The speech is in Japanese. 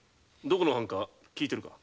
どこの藩か聞いてるか？